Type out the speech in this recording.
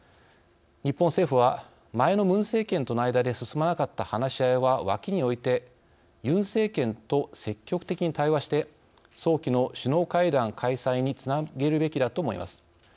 日本政府は前のムン政権との間で進まなかった話し合いは脇に置いてユン政権と積極的に対話して早期の首脳会談開催につなげるべきだと思います。